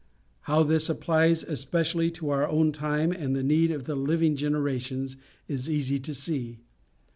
How this applies especially to our own time and the need of the living generations, is easy to see.